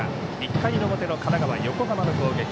１回表の神奈川、横浜の攻撃。